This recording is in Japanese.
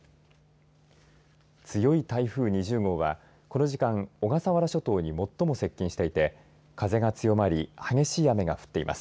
強い台風２０号はこの時間小笠原諸島に最も接近していて風が強まり激しい雨が降っています。